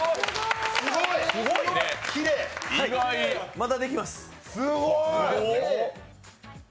まだできます。